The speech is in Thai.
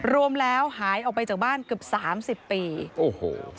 รวมแล้วหายออกไปจากบ้านกับ๓๐ปี